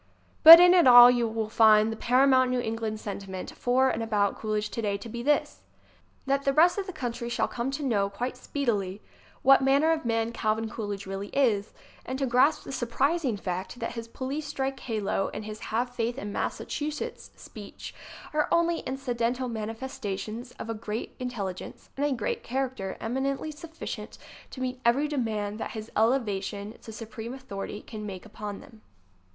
But in it all you will find the paramount New England sentiment for and about Coolidge today to be this: That the rest of the country shall come quite speedily to know what manner of man Calvin Coolidge really is, and to grasp the surprising fact that his police strike halo and his "Have Faith in Massachusetts" speech are only incidental mani festations of a great intelligence and a great char acter eminently sufficient to meet every demand that his elevation to supreme authority can make upon them.